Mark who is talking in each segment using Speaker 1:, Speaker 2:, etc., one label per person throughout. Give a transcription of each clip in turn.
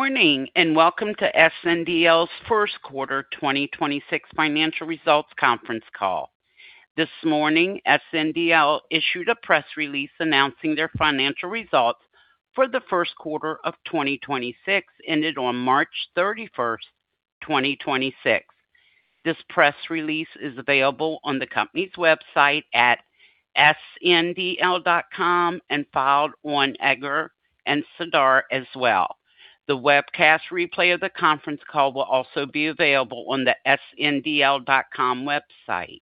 Speaker 1: Morning, and welcome to SNDL's First Quarter 2026 Financial Results Conference Call. This morning, SNDL issued a press release announcing their financial results for the first quarter of 2026, ended on March 31, 2026. This press release is available on the company's website at sndl.com and filed on EDGAR and SEDAR as well. The webcast replay of the conference call will also be available on the sndl.com website.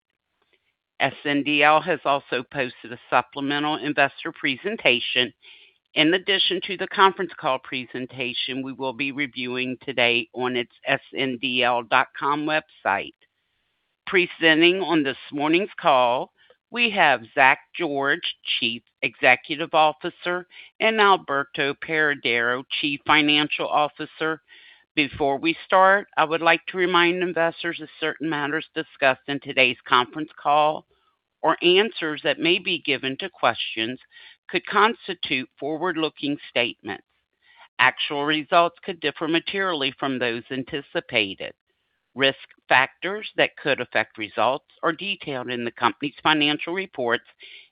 Speaker 1: SNDL has also posted a supplemental investor presentation in addition to the conference call presentation we will be reviewing today on its sndl.com website. Presenting on this morning's call, we have Zach George, Chief Executive Officer, and Alberto Paredero-Quiros, Chief Financial Officer. Before we start, I would like to remind investors of certain matters discussed in today's conference call or answers that may be given to questions could constitute forward-looking statements. Actual results could differ materially from those anticipated. Risk factors that could affect results are detailed in the company's financial reports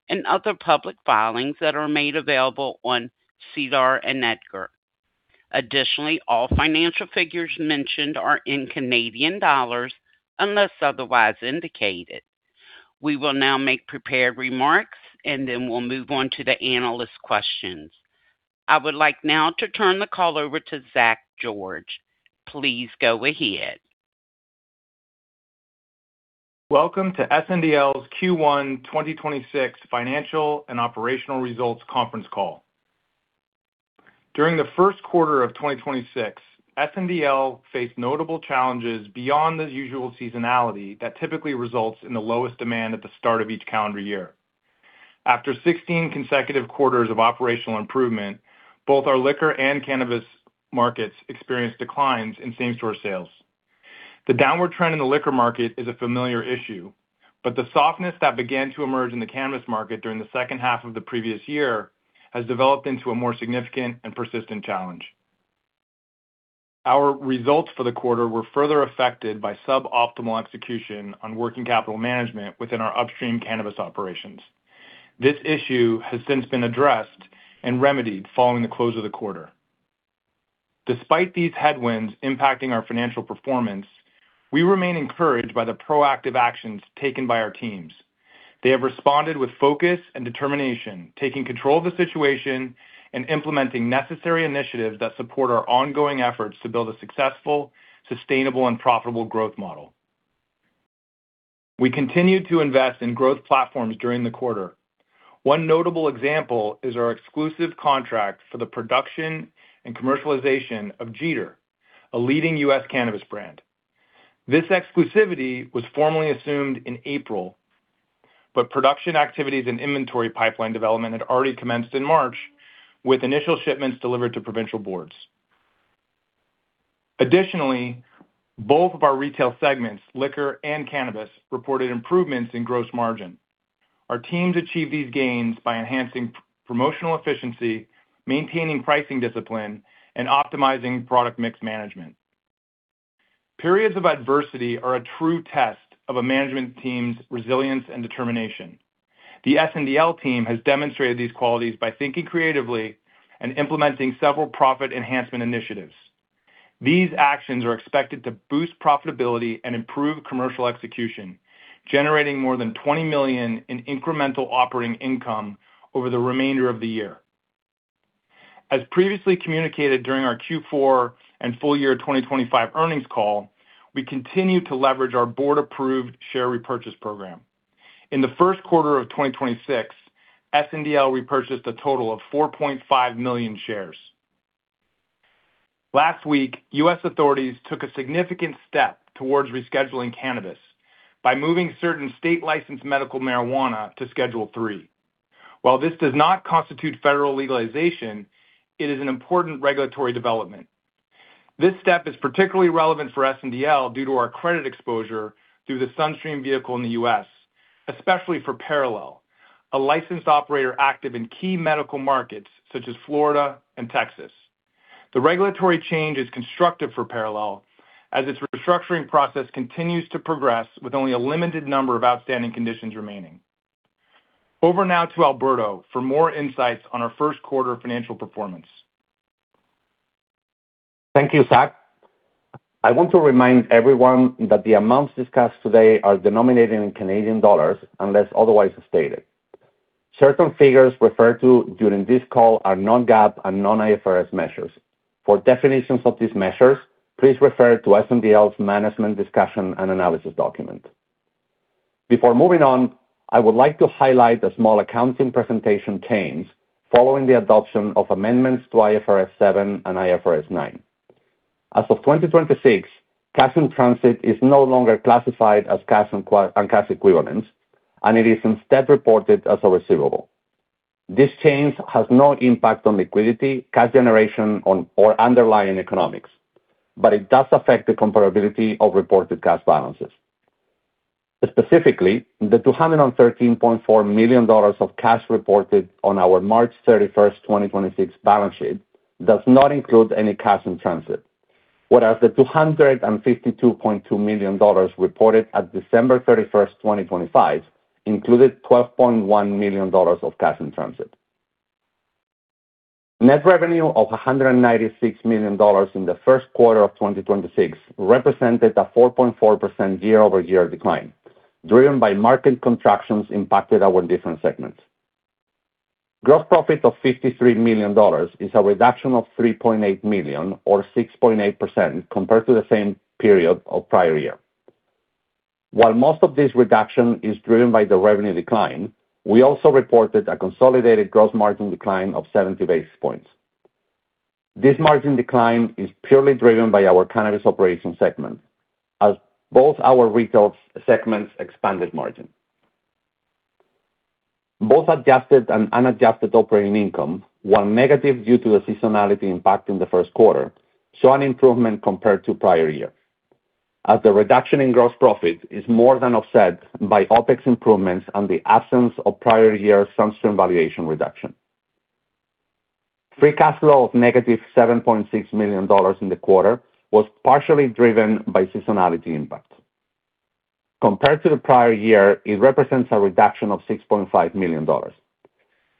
Speaker 1: and other public filings that are made available on SEDAR and EDGAR. Additionally, all financial figures mentioned are in Canadian dollars unless otherwise indicated. We will now make prepared remarks, and then we'll move on to the analyst questions. I would like now to turn the call over to Zach George. Please go ahead.
Speaker 2: Welcome to SNDL's Q1 2026 financial and operational results conference call. During the first quarter of 2026, SNDL faced notable challenges beyond the usual seasonality that typically results in the lowest demand at the start of each calendar year. After 16 consecutive quarters of operational improvement, both our liquor and cannabis markets experienced declines in same-store sales. The downward trend in the liquor market is a familiar issue, but the softness that began to emerge in the cannabis market during the second half of the previous year has developed into a more significant and persistent challenge. Our results for the quarter were further affected by sub-optimal execution on working capital management within our upstream cannabis operations. This issue has since been addressed and remedied following the close of the quarter. Despite these headwinds impacting our financial performance, we remain encouraged by the proactive actions taken by our teams. They have responded with focus and determination, taking control of the situation and implementing necessary initiatives that support our ongoing efforts to build a successful, sustainable and profitable growth model. We continued to invest in growth platforms during the quarter. One notable example is our exclusive contract for the production and commercialization of Jeeter, a leading U.S. cannabis brand. This exclusivity was formally assumed in April, but production activities and inventory pipeline development had already commenced in March, with initial shipments delivered to provincial boards. Additionally, both of our retail segments, liquor and cannabis, reported improvements in gross margin. Our teams achieved these gains by enhancing promotional efficiency, maintaining pricing discipline, and optimizing product mix management. Periods of adversity are a true test of a management team's resilience and determination. The SNDL team has demonstrated these qualities by thinking creatively and implementing several profit enhancement initiatives. These actions are expected to boost profitability and improve commercial execution, generating more than 20 million in incremental operating income over the remainder of the year. As previously communicated during our Q4 and full year 2025 earnings call, we continue to leverage our board-approved share repurchase program. In the first quarter of 2026, SNDL repurchased a total of 4.5 million shares. Last week, U.S. authorities took a significant step towards rescheduling cannabis by moving certain state-licensed medical marijuana to Schedule III. While this does not constitute federal legalization, it is an important regulatory development. This step is particularly relevant for SNDL due to our credit exposure through the Sunstream vehicle in the U.S., especially for Parallel, a licensed operator active in key medical markets such as Florida and Texas. The regulatory change is constructive for Parallel as its restructuring process continues to progress with only a limited number of outstanding conditions remaining. Over now to Alberto for more insights on our first quarter financial performance.
Speaker 3: Thank you, Zach. I want to remind everyone that the amounts discussed today are denominated in Canadian dollars unless otherwise stated. Certain figures referred to during this call are non-GAAP and non-IFRS measures. For definitions of these measures, please refer to SNDL's management discussion and analysis document. Before moving on, I would like to highlight the small accounting presentation change following the adoption of amendments to IFRS 7 and IFRS 9. As of 2026, cash in transit is no longer classified as cash and cash equivalents, and it is instead reported as a receivable. This change has no impact on liquidity, cash generation or underlying economics, but it does affect the comparability of reported cash balances. Specifically, the 213.4 million dollars of cash reported on our March 31st, 2026 balance sheet does not include any cash in transit. Whereas the 252.2 million dollars reported at December 31, 2025 included 12.1 million dollars of cash in transit. Net revenue of 196 million dollars in the first quarter of 2026 represented a 4.4% year-over-year decline, driven by market contractions impacted our different segments. Gross profit of 53 million dollars is a reduction of 3.8 million or 6.8% compared to the same period of prior year. While most of this reduction is driven by the revenue decline, we also reported a consolidated gross margin decline of 70 basis points. This margin decline is purely driven by our cannabis operations segment as both our retail segments expanded margin. Both adjusted and unadjusted operating income, while negative due to the seasonality impact in the first quarter, saw an improvement compared to prior year, as the reduction in gross profit is more than offset by OpEx improvements and the absence of prior year Sunstream valuation reduction. Free cash flow of negative 7.6 million dollars in the quarter was partially driven by seasonality impact. Compared to the prior year, it represents a reduction of 6.5 million dollars,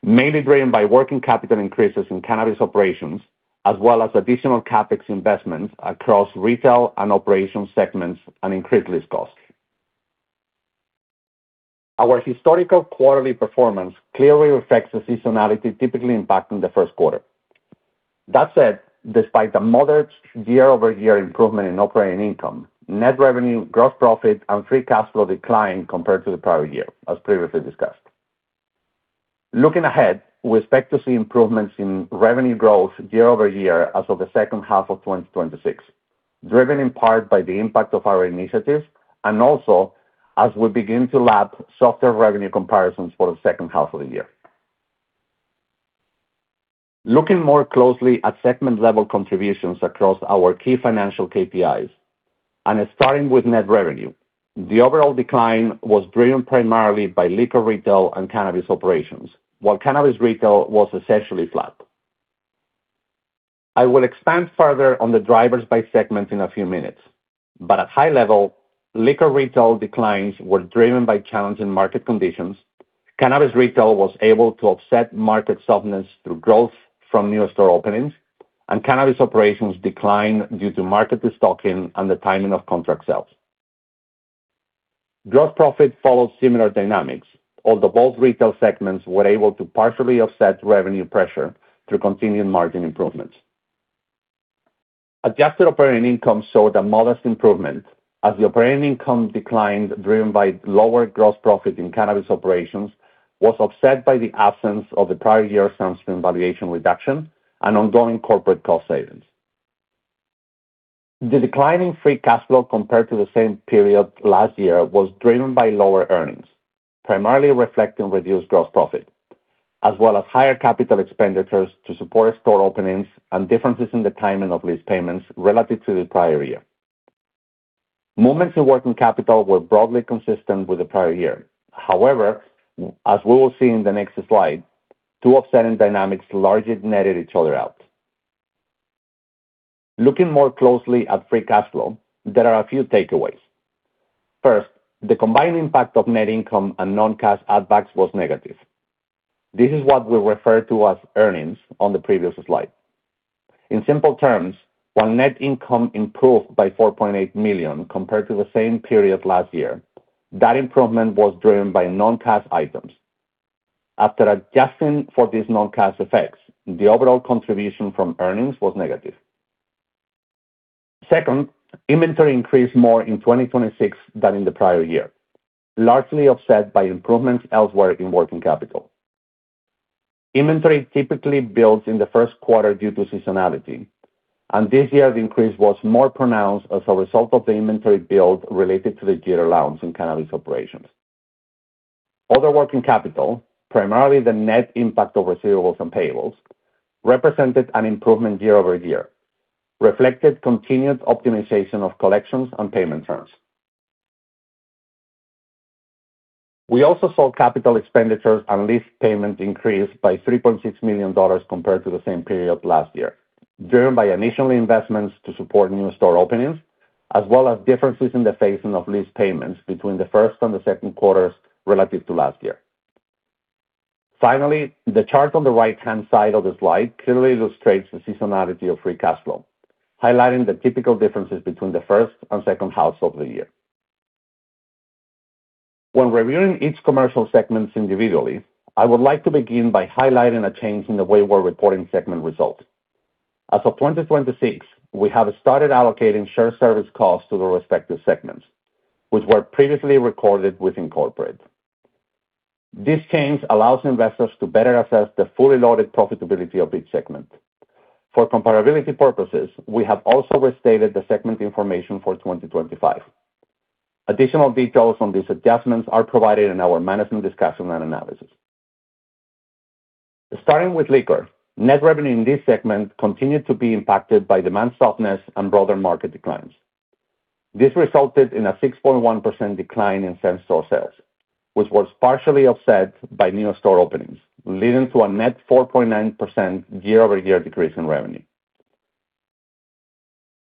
Speaker 3: mainly driven by working capital increases in cannabis operations as well as additional CapEx investments across retail and operations segments and increased lease costs. Our historical quarterly performance clearly reflects the seasonality typically impacting the first quarter. Despite a modest year-over-year improvement in operating income, net revenue, gross profit and free cash flow declined compared to the prior year, as previously discussed. Looking ahead, we expect to see improvements in revenue growth year-over-year as of the second half of 2026, driven in part by the impact of our initiatives and also as we begin to lap softer revenue comparisons for the second half of the year. Looking more closely at segment-level contributions across our key financial KPIs and starting with net revenue, the overall decline was driven primarily by liquor retail and cannabis operations, while cannabis retail was essentially flat. I will expand further on the drivers by segment in a few minutes, but at high level, liquor retail declines were driven by challenging market conditions. Cannabis retail was able to offset market softness through growth from new store openings, and cannabis operations declined due to market destocking and the timing of contract sales. Gross profit followed similar dynamics, although both retail segments were able to partially offset revenue pressure through continuing margin improvements. Adjusted operating income showed a modest improvement as the operating income decline, driven by lower gross profit in cannabis operations, was offset by the absence of the prior year SunStream valuation reduction and ongoing corporate cost savings. The decline in free cash flow compared to the same period last year was driven by lower earnings, primarily reflecting reduced gross profit, as well as higher Capital Expenditures to support store openings and differences in the timing of lease payments relative to the prior year. Movements in working capital were broadly consistent with the prior year. However, as we will see in the next slide, two offsetting dynamics largely netted each other out. Looking more closely at free cash flow, there are a few takeaways. First, the combined impact of net income and non-cash add backs was negative. This is what we refer to as earnings on the previous slide. In simple terms, while net income improved by 4.8 million compared to the same period last year, that improvement was driven by non-cash items. After adjusting for these non-cash effects, the overall contribution from earnings was negative. Second, inventory increased more in 2026 than in the prior year, largely offset by improvements elsewhere in working capital. Inventory typically builds in the first quarter due to seasonality, and this year the increase was more pronounced as a result of the inventory build related to the Jeeter launch in cannabis operations. Other working capital, primarily the net impact of receivables and payables, represented an improvement year-over-year, reflected continued optimization of collections and payment terms. We also saw Capital Expenditures and lease payments increase by 3.6 million dollars compared to the same period last year, driven by initial investments to support new store openings as well as differences in the phasing of lease payments between the first and the second quarters relative to last year. The chart on the right-hand side of the slide clearly illustrates the seasonality of free cash flow, highlighting the typical differences between the first and second halves of the year. When reviewing each commercial segments individually, I would like to begin by highlighting a change in the way we're reporting segment results. As of 2026, we have started allocating shared service costs to the respective segments, which were previously recorded within Corporate. This change allows investors to better assess the fully loaded profitability of each segment. For comparability purposes, we have also restated the segment information for 2025. Additional details on these adjustments are provided in our management discussion and analysis. Starting with liquor. Net revenue in this segment continued to be impacted by demand softness and broader market declines. This resulted in a 6.1% decline in same-store sales, which was partially offset by new store openings, leading to a net 4.9% year-over-year decrease in revenue.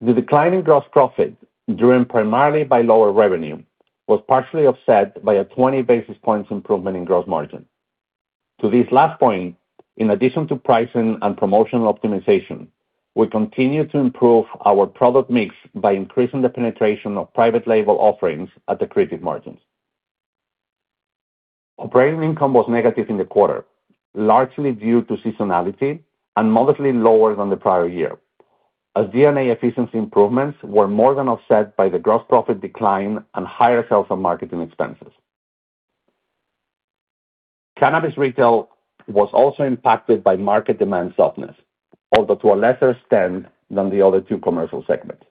Speaker 3: The decline in gross profit, driven primarily by lower revenue, was partially offset by a 20 basis points improvement in gross margin. To this last point, in addition to pricing and promotional optimization, we continue to improve our product mix by increasing the penetration of private label offerings at accretive margins. Operating income was negative in the quarter, largely due to seasonality and modestly lower than the prior year, as D&A efficiency improvements were more than offset by the gross profit decline and higher sales and marketing expenses. Cannabis retail was also impacted by market demand softness, although to a lesser extent than the other two commercial segments.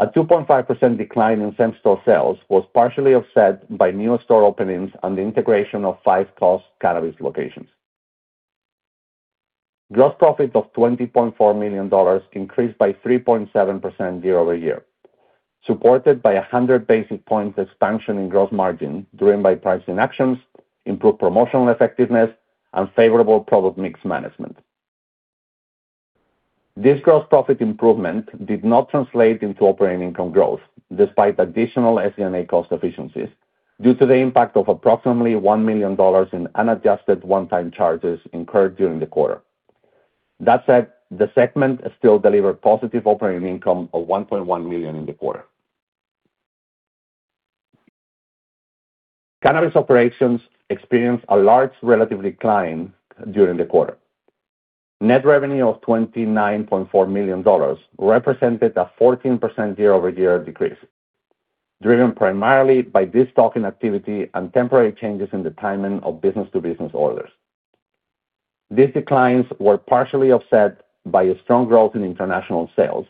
Speaker 3: A 2.5% decline in same-store sales was partially offset by new store openings and the integration of five Cost Cannabis locations. Gross profit of 20.4 million dollars increased by 3.7% year-over-year, supported by 100 basis points expansion in gross margin driven by pricing actions, improved promotional effectiveness, and favorable product mix management. This gross profit improvement did not translate into operating income growth despite additional SG&A cost efficiencies, due to the impact of approximately 1 million dollars in unadjusted one-time charges incurred during the quarter. That said, the segment still delivered positive operating income of 1.1 million in the quarter. Cannabis operations experienced a large relative decline during the quarter. Net revenue of 29.4 million dollars represented a 14% year-over-year decrease, driven primarily by destocking activity and temporary changes in the timing of business-to-business orders. These declines were partially offset by a strong growth in international sales,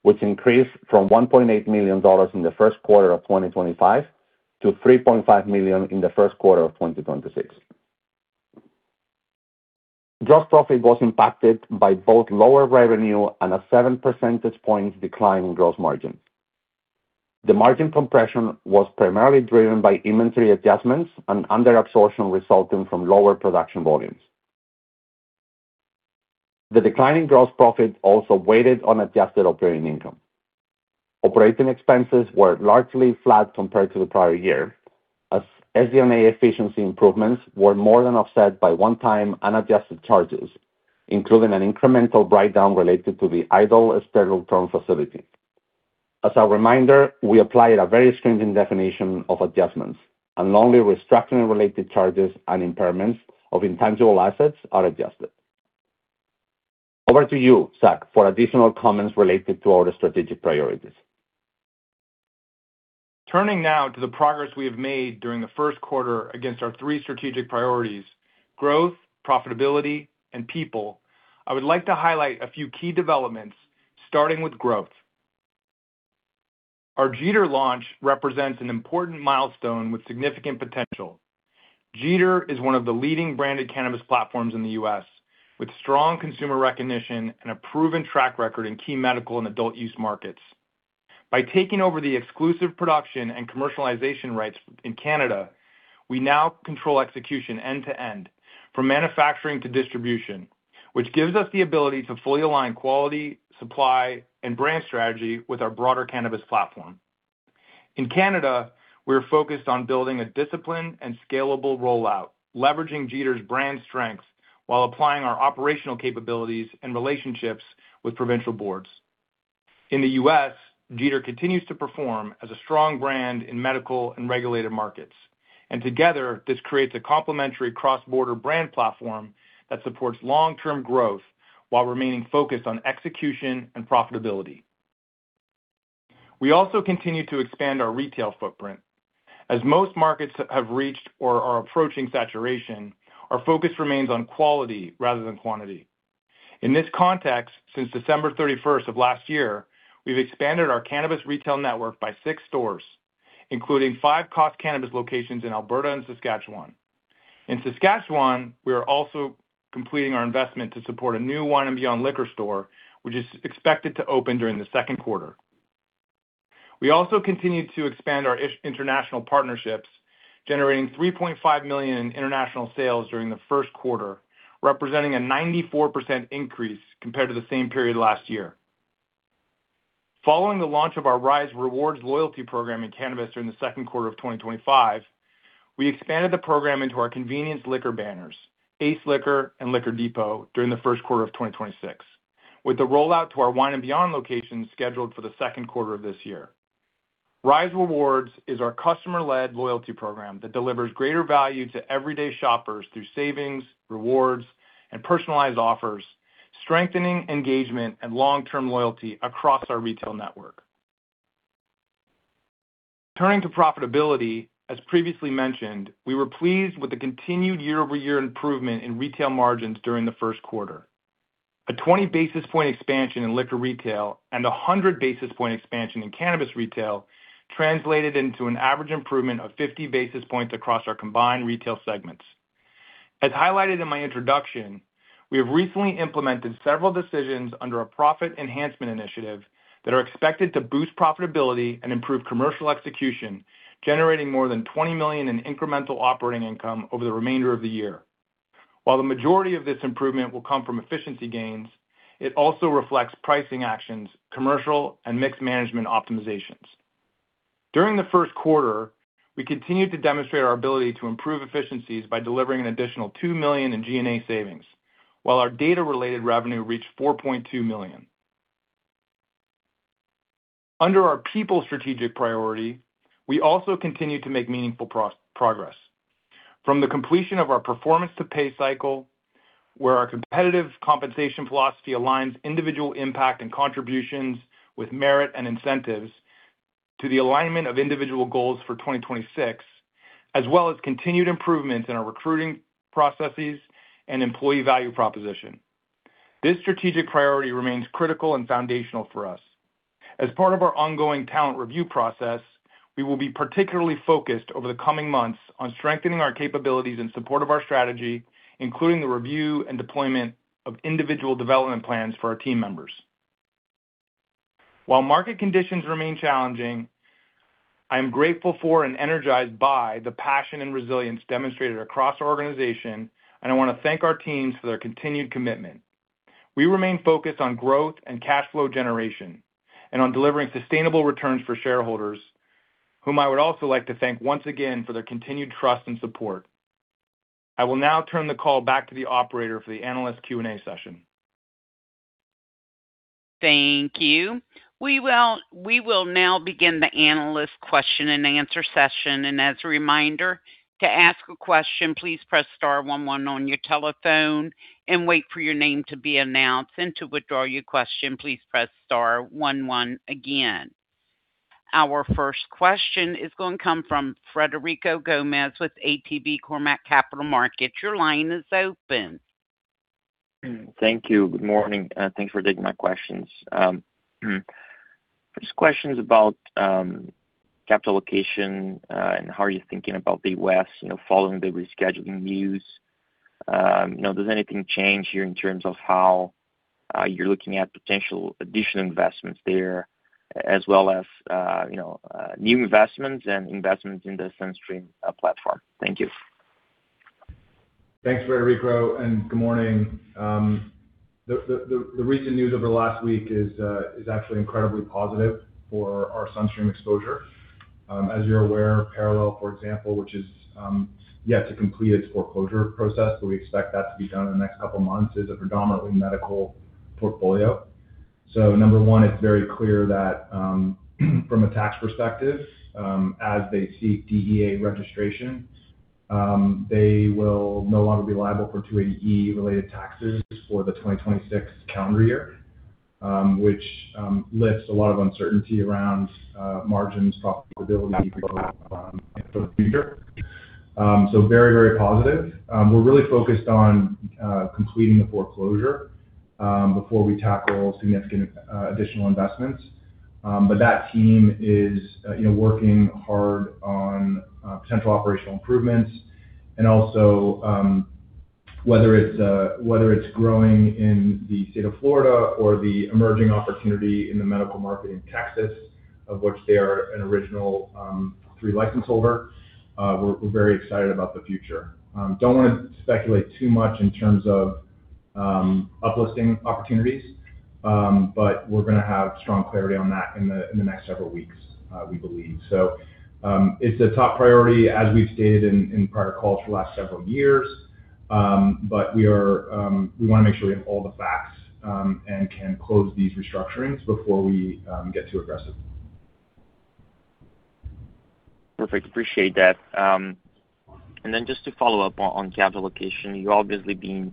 Speaker 3: which increased from 1.8 million dollars in the first quarter of 2025 to 3.5 million in the first quarter of 2026. Gross profit was impacted by both lower revenue and a seven percentage points decline in gross margin. The margin compression was primarily driven by inventory adjustments and under absorption resulting from lower production volumes. The decline in gross profit also weighed on adjusted operating income. Operating expenses were largely flat compared to the prior year as SG&A efficiency improvements were more than offset by one-time unadjusted charges, including an incremental write-down related to the idle sterile term facility. As a reminder, we applied a very stringent definition of adjustments, and only restructuring related charges and impairments of intangible assets are adjusted. Over to you, Zach, for additional comments related to our strategic priorities.
Speaker 2: Turning now to the progress we have made during the first quarter against our three strategic priorities: growth, profitability, and people. I would like to highlight a few key developments, starting with growth. Our Jeeter launch represents an important milestone with significant potential. Jeeter is one of the leading branded cannabis platforms in the U.S., with strong consumer recognition and a proven track record in key medical and adult use markets. By taking over the exclusive production and commercialization rights in Canada, we now control execution end-to-end, from manufacturing to distribution, which gives us the ability to fully align quality, supply, and brand strategy with our broader cannabis platform. In Canada, we are focused on building a disciplined and scalable rollout, leveraging Jeeter's brand strengths while applying our operational capabilities and relationships with provincial boards. In the U.S., Jeeter continues to perform as a strong brand in medical and regulated markets, and together this creates a complementary cross-border brand platform that supports long-term growth while remaining focused on execution and profitability. We also continue to expand our retail footprint. As most markets have reached or are approaching saturation, our focus remains on quality rather than quantity. In this context, since December 31st of last year, we've expanded our cannabis retail network by six stores, including 5 Costcan Cannabis locations in Alberta and Saskatchewan. In Saskatchewan, we are also completing our investment to support a new Wine and Beyond Liquor store, which is expected to open during the second quarter. We also continue to expand our international partnerships, generating 3.5 million in international sales during the first quarter, representing a 94% increase compared to the same period last year. Following the launch of our Rise Rewards loyalty program in cannabis during the second quarter of 2025, we expanded the program into our convenience liquor banners, Ace Liquor and Liquor Depot, during the first quarter of 2026, with the rollout to our Wine and Beyond locations scheduled for the second quarter of this year. Rise Rewards is our customer-led loyalty program that delivers greater value to everyday shoppers through savings, rewards, and personalized offers, strengthening engagement and long-term loyalty across our retail network. Turning to profitability, as previously mentioned, we were pleased with the continued year-over-year improvement in retail margins during the first quarter. A 20 basis point expansion in liquor retail and a 100 basis point expansion in cannabis retail translated into an average improvement of 50 basis points across our combined retail segments. As highlighted in my introduction, we have recently implemented several decisions under a Profit Enhancement Initiative that are expected to boost profitability and improve commercial execution, generating more than 20 million in incremental operating income over the remainder of the year. While the majority of this improvement will come from efficiency gains, it also reflects pricing actions, commercial and mix management optimizations. During the first quarter, we continued to demonstrate our ability to improve efficiencies by delivering an additional 2 million in G&A savings, while our data-related revenue reached 4.2 million. Under our People Strategic Priority, we also continue to make meaningful progress. From the completion of our Performance to Pay Cycle, where our competitive compensation philosophy aligns individual impact and contributions with merit and incentives to the alignment of individual goals for 2026, as well as continued improvements in our recruiting processes and employee value proposition. This strategic priority remains critical and foundational for us. As part of our ongoing talent review process, we will be particularly focused over the coming months on strengthening our capabilities in support of our strategy, including the review and deployment of individual development plans for our team members. While market conditions remain challenging, I am grateful for and energized by the passion and resilience demonstrated across our organization, and I wanna thank our teams for their continued commitment. We remain focused on growth and cash flow generation and on delivering sustainable returns for shareholders, whom I would also like to thank once again for their continued trust and support. I will now turn the call back to the operator for the analyst Q&A session.
Speaker 1: Thank you. We will now begin the analyst question and answer session. As a reminder to ask a question, please press star one one on your telephone and wait for your name to be announced. To withdraw your question, please press star one one again. Our first question is gonna come from Frederico Gomes with ATB Capital Markets. Your line is open.
Speaker 4: Thank you. Good morning. Thanks for taking my questions. First question is about capital allocation, and how are you thinking about the West, you know, following the rescheduling news. You know, does anything change here in terms of how you're looking at potential additional investments there as well as, you know, new investments and investments in the Sunstream platform? Thank you.
Speaker 2: Thanks, Frederico, and good morning. The recent news over the last week is actually incredibly positive for our Sunstream exposure. As you're aware, Parallel, for example, which is yet to complete its foreclosure process, but we expect that to be done in the next couple of months, is a predominantly medical portfolio. Number one, it's very clear that from a tax perspective, as they seek DEA registration, they will no longer be liable for 280E related taxes for the 2026 calendar year, which lifts a lot of uncertainty around margins profitability for the future. Very positive. We're really focused on completing the foreclosure before we tackle significant additional investments. That team is, you know, working hard on potential operational improvements and also, whether it's growing in the state of Florida or the emerging opportunity in the medical market in Texas, of which they are an original three license holder, we're very excited about the future. Don't wanna speculate too much in terms of uplisting opportunities, we're gonna have strong clarity on that in the next several weeks, we believe. It's a top priority as we've stated in prior calls for the last several years. We wanna make sure we have all the facts and can close these restructurings before we get too aggressive.
Speaker 4: Perfect. Appreciate that. Then just to follow up on capital allocation, you're obviously being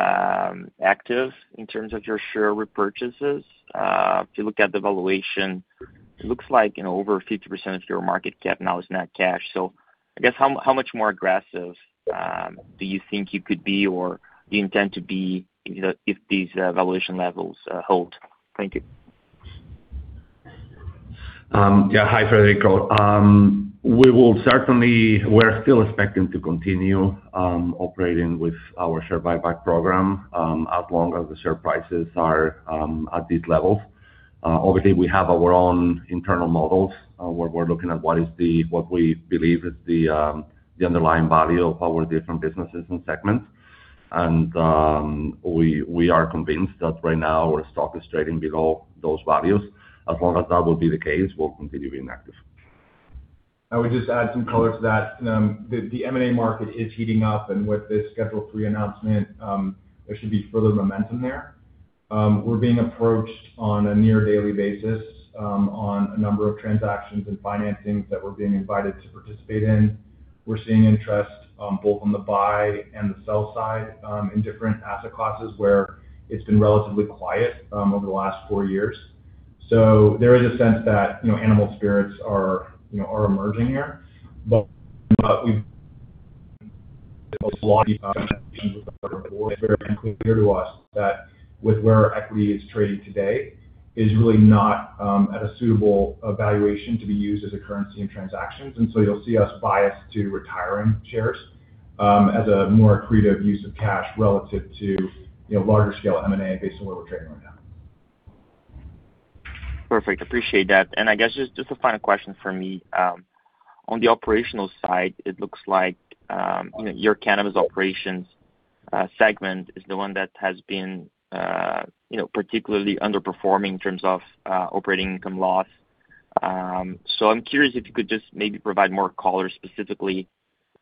Speaker 4: active in terms of your share repurchases. If you look at the valuation, it looks like, you know, over 50% of your market cap now is not cash. I guess how much more aggressive do you think you could be or you intend to be if these valuation levels hold? Thank you.
Speaker 3: Yeah. Hi, Frederico. We're still expecting to continue operating with our share buyback program as long as the share prices are at these levels. Obviously, we have our own internal models where we're looking at what we believe is the underlying value of our different businesses and segments. We are convinced that right now our stock is trading below those values. As long as that will be the case, we'll continue being active.
Speaker 2: I would just add some color to that. The M&A market is heating up, and with this Schedule III announcement, there should be further momentum there. We're being approached on a near-daily basis, on a number of transactions and financings that we're being invited to participate in. We're seeing interest, both on the buy and the sell side, in different asset classes where it's been relatively quiet, over the last four years. There is a sense that, you know, animal spirits are, you know, are emerging here. We've clear to us that with where our equity is trading today is really not at a suitable valuation to be used as a currency in transactions. You'll see us biased to retiring shares as a more accretive use of cash relative to, you know, larger scale M&A based on where we're trading right now.
Speaker 4: Perfect. Appreciate that. I guess just a final question from me. On the operational side, it looks like, you know, your cannabis operations segment is the one that has been, you know, particularly underperforming in terms of operating income loss. I'm curious if you could just maybe provide more color specifically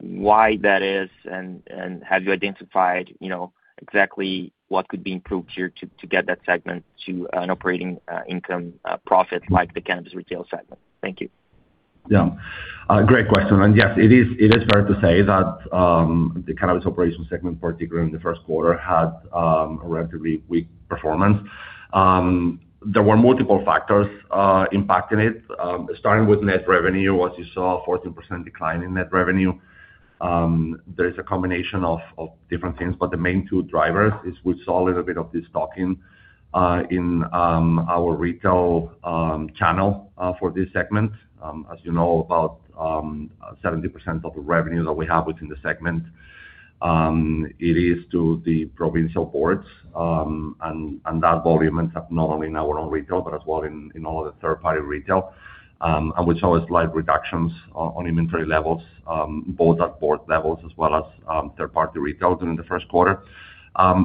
Speaker 4: why that is and have you identified, you know, exactly what could be improved here to get that segment to an operating income profit like the cannabis retail segment? Thank you.
Speaker 3: Yeah. Great question. Yes, it is, it is fair to say that the cannabis operations segment, particularly in the first quarter, had a relatively weak performance. There were multiple factors impacting it, starting with net revenue. As you saw, 14% decline in net revenue. There is a combination of different things, but the main two drivers is we saw a little bit of the stocking in our retail channel for this segment. As you know, about 70% of the revenue that we have within the segment, it is to the provincial boards. That volume is not only in our own retail, but as well in all of the third-party retail. We saw a slight reductions on inventory levels, both at board levels as well as third-party retail during the first quarter.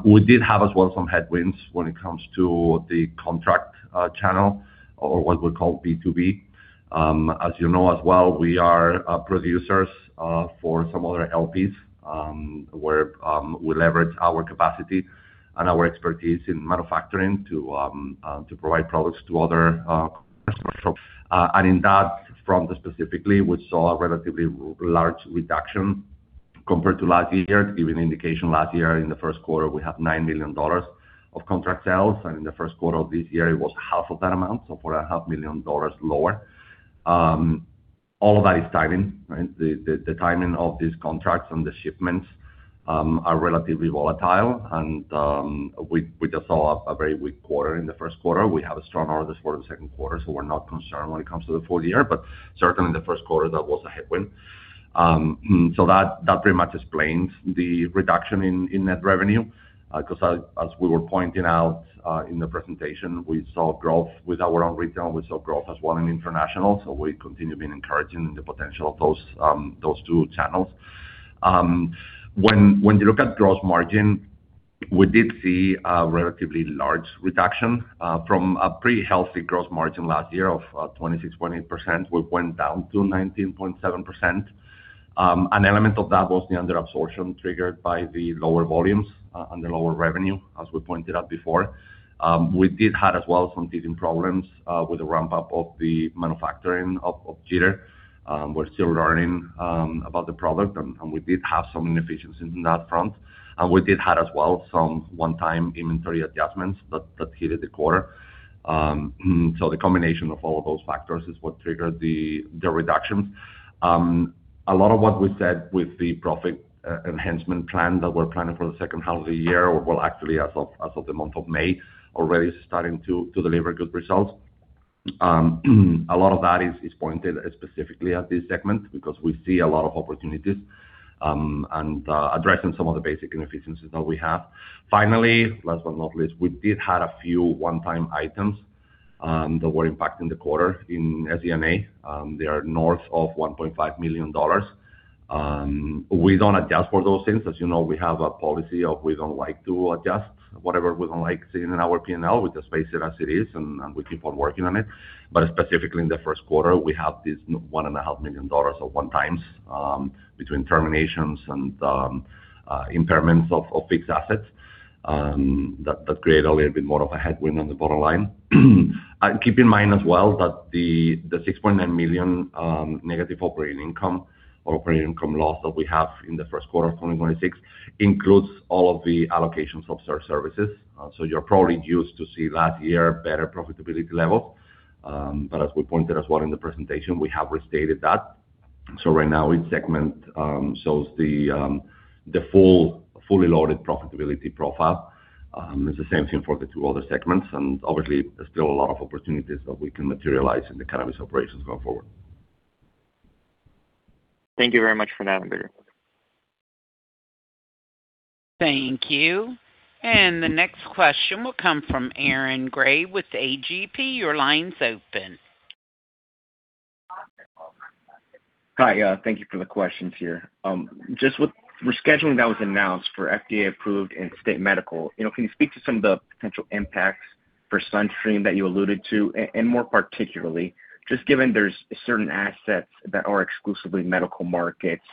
Speaker 3: We did have as well some headwinds when it comes to the contract channel or what we call B2B. As you know as well, we are producers for some other LPs, where we leverage our capacity and our expertise in manufacturing to provide products to other, and in that front specifically, we saw a relatively large reduction compared to last year. To give you an indication, last year in the first quarter, we had 9 million dollars of contract sales, and in the first quarter of this year it was half of that amount, so 4.5 million dollars lower. All of that is timing, right? The timing of these contracts and the shipments are relatively volatile. We just saw a very weak quarter in the first quarter. We have a strong order this quarter and second quarter, we're not concerned when it comes to the full year, certainly the first quarter, that was a headwind. That pretty much explains the reduction in net revenue. 'Cause as we were pointing out in the presentation, we saw growth with our own retail. We saw growth as well in international. We continue being encouraging in the potential of those two channels. When you look at gross margin, we did see a relatively large reduction from a pretty healthy gross margin last year of 26.8%. We went down to 19.7%. An element of that was the under absorption triggered by the lower volumes and the lower revenue, as we pointed out before. We did have as well some teething problems with the ramp-up of the manufacturing of Jeeter. We're still learning about the product and we did have some inefficiencies in that front. We did have as well some one-time inventory adjustments that hit at the quarter. The combination of all of those factors is what triggered the reduction. A lot of what we said with the profit enhancement plan that we're planning for the second half of the year, or well, actually as of the month of May, already starting to deliver good results. A lot of that is pointed specifically at this segment because we see a lot of opportunities and addressing some of the basic inefficiencies that we have. Finally, last but not least, we did have a few one-time items that were impacting the quarter in SG&A. They are north of 1.5 million dollars. We don't adjust for those things. As you know, we have a policy of we don't like to adjust. Whatever we don't like seeing in our P&L, we just face it as it is and we keep on working on it. Specifically in the first quarter, we have this one-time 1.5 million dollars between terminations and impairments of fixed assets that create a little bit more of a headwind on the bottom line. Keep in mind as well that the 6.9 million negative operating income or operating income loss that we have in the first quarter of 2026 includes all of the allocations of services. You're probably used to see last year better profitability level. As we pointed as well in the presentation, we have restated that. Right now, each segment shows the fully loaded profitability profile. It's the same thing for the two other segments. Obviously, there's still a lot of opportunities that we can materialize in the cannabis operations going forward.
Speaker 4: Thank you very much for that, Alberto.
Speaker 1: Thank you. And the next question will come from Aaron Grey with AGP. Your line's open.
Speaker 5: Hi. Thank you for the questions here. Just with rescheduling that was announced for FDA-approved and state medical, you know, can you speak to some of the potential impacts for SunStream that you alluded to? And more particularly, just given there's certain assets that are exclusively medical markets,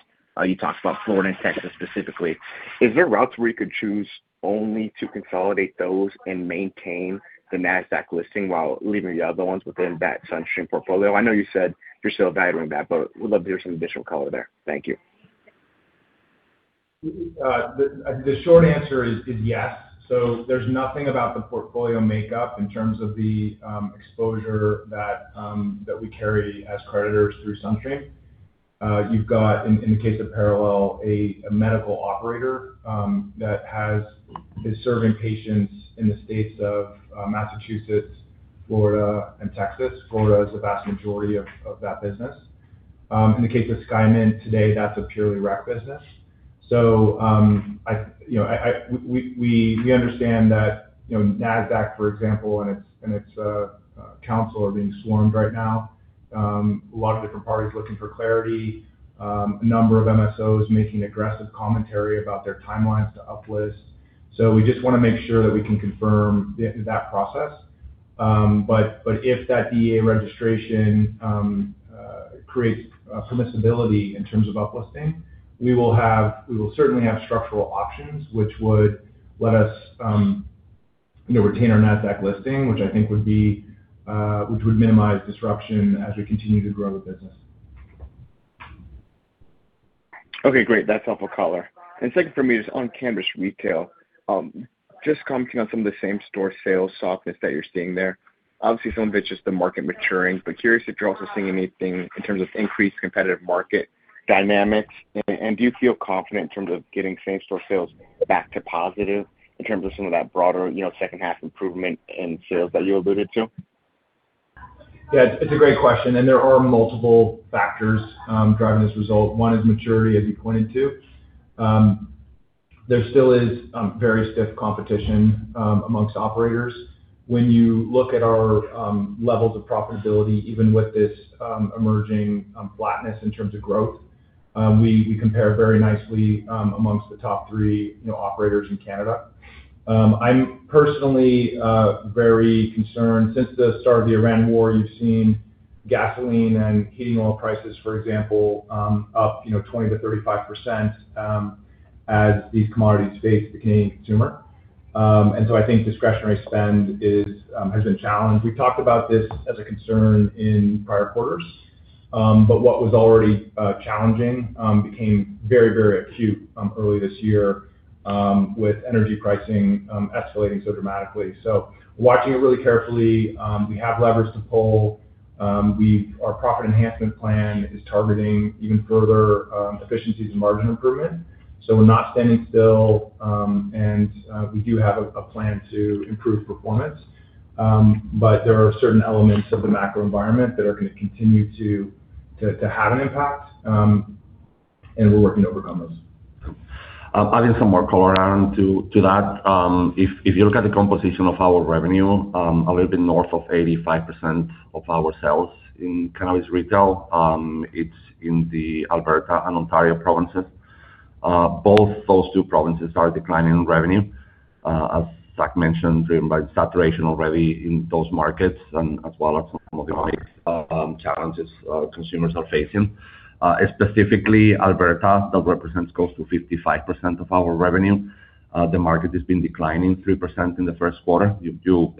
Speaker 5: you talked about Florida and Texas specifically, is there routes where you could choose only to consolidate those and maintain the Nasdaq listing while leaving the other ones within that SunStream portfolio? I know you said you're still evaluating that, but would love to hear some additional color there. Thank you.
Speaker 2: The short answer is yes. There's nothing about the portfolio makeup in terms of the exposure that we carry as creditors through SunStream. You've got in the case of Parallel, a medical operator that is serving patients in the states of Massachusetts, Florida, and Texas. Florida is the vast majority of that business. In the case of Skymint today, that's a purely rec business. I, you know, we understand that, you know, Nasdaq, for example, and its council are being swarmed right now. A lot of different parties looking for clarity. A number of MSOs making aggressive commentary about their timelines to uplist. We just wanna make sure that we can confirm that process. If that DEA registration creates permissibility in terms of uplisting, we will certainly have structural options, which would let us, you know, retain our Nasdaq listing, which I think would be which would minimize disruption as we continue to grow the business.
Speaker 5: Okay, great. That's helpful color. Second for me is on cannabis retail. Just commenting on some of the same-store sales softness that you're seeing there. Obviously, some of it's just the market maturing, but curious if you're also seeing anything in terms of increased competitive market dynamics. Do you feel confident in terms of getting same-store sales back to positive in terms of some of that broader, you know, second half improvement in sales that you alluded to?
Speaker 2: Yeah. It's a great question. There are multiple factors driving this result. One is maturity, as you pointed to. There still is very stiff competition amongst operators. When you look at our levels of profitability, even with this emerging flatness in terms of growth, we compare very nicely amongst the top three, you know, operators in Canada. I'm personally very concerned. Since the start of the Ukraine war, you've seen gasoline and heating oil prices, for example, up, you know, 20%-35%, as these commodities face the Canadian consumer. I think discretionary spend is has been challenged. We talked about this as a concern in prior quarters. What was already challenging became very, very acute early this year with energy pricing escalating so dramatically. We're watching it really carefully. We have levers to pull. Our profit enhancement plan is targeting even further efficiencies and margin improvement. We're not standing still, and we do have a plan to improve performance. But there are certain elements of the macro environment that are gonna continue to have an impact, and we're working to overcome those.
Speaker 3: Adding some more color around to that. If you look at the composition of our revenue, a little bit north of 85% of our sales in cannabis retail, it's in the Alberta and Ontario provinces. Both those two provinces are declining in revenue, as Zach mentioned, driven by saturation already in those markets and as well as some of the other challenges consumers are facing. Specifically Alberta, that represents close to 55% of our revenue. The market has been declining 3% in the first quarter.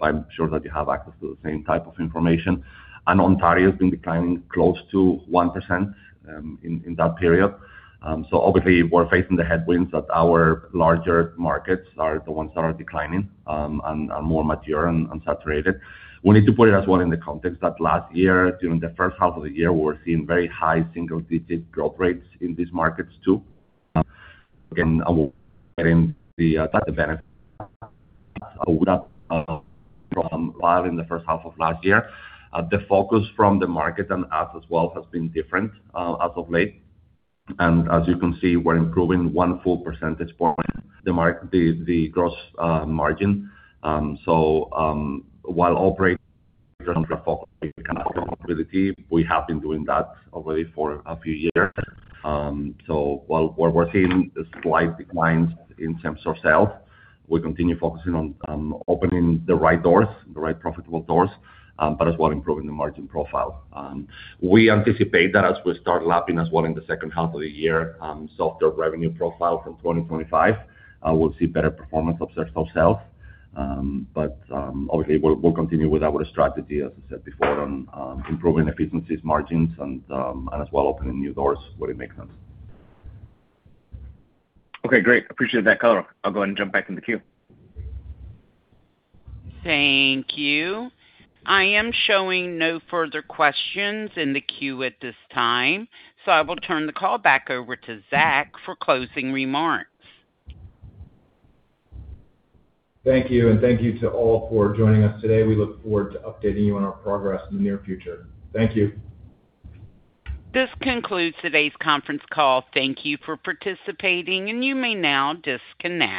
Speaker 3: I'm sure that you have access to the same type of information. Ontario has been declining close to 1% in that period. Obviously we're facing the headwinds that our larger markets are the ones that are declining and are more mature and saturated. We need to put it as well in the context that last year, during the first half of the year, we were seeing very high single-digit growth rates in these markets too. Again, getting the better from while in the first half of last year. The focus from the market and us as well has been different as of late. As you can see, we're improving one full percentage point the gross margin. While operating profitability, we have been doing that already for a few years. While we're seeing a slight decline in same-store sales, we continue focusing on opening the right doors, the right profitable doors, but as well improving the margin profile. We anticipate that as we start lapping as well in the second half of the year, softer revenue profile from 2025, we'll see better performance of same-store sales. Obviously we'll continue with our strategy, as I said before, on improving efficiencies, margins and as well opening new doors where it makes sense.
Speaker 5: Okay, great. Appreciate that color. I'll go ahead and jump back in the queue.
Speaker 1: Thank you. I am showing no further questions in the queue at this time, so I will turn the call back over to Zach for closing remarks.
Speaker 2: Thank you, and thank you to all for joining us today. We look forward to updating you on our progress in the near future. Thank you.
Speaker 1: This concludes today's conference call. Thank you for participating, and you may now disconnect.